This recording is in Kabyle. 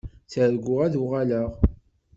Tterguɣ ad uɣaleɣ.